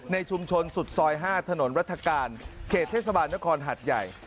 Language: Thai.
ในชุมชนสุดซอย๕ถนนรัฐกาลเขตเทศบาลนครหัดใหญ่